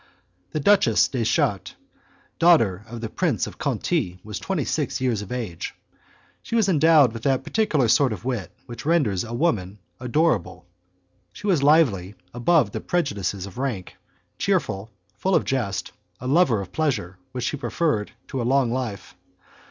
The Duchess de Chartres, daughter of the Prince of Conti, was twenty six years of age. She was endowed with that particular sort of wit which renders a woman adorable. She was lively, above the prejudices of rank, cheerful, full of jest, a lover of pleasure, which she preferred to a long life.